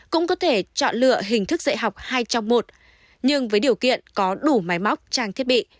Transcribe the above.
cũng có thể chọn lựa hình thức dạy học hai trong một nhưng với điều kiện có đủ máy móc trang thiết bị